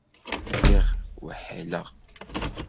Lliɣ weḥḥleɣ.